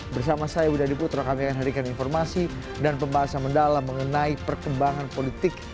bersama saya widadiputra kami akan mengerikan informasi dan pembahasan mendalam mengenai perkembangan politik